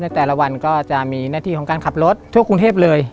แต่ละวันก็จะมีหน้าที่ของการขับรถทั่วกรุงเทพเลย